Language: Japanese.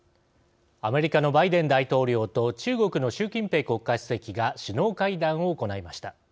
アメリカのバイデン大統領と中国の習近平国家主席が首脳会談を行いました。